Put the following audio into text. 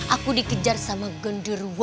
aku dikejar sama genderwo